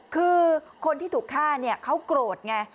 คือคนที่ถูกฆ่าเขากรดไง